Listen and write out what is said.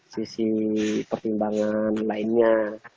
sisi pertimbangan lainnya